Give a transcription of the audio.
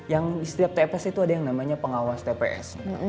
yang di setiap tps itu ada yang namanya pengawas tps